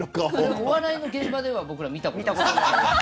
お笑いの現場では僕らは見たことないです。